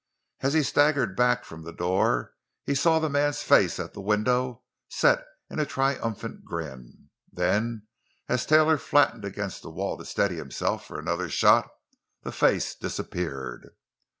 As he staggered back from the door he saw the man's face at the window, set in a triumphant grin. Then, as Taylor flattened against the wall to steady himself for another shot, the face disappeared.